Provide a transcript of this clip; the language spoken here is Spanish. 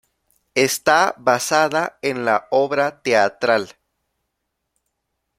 Está basada en la obra teatral.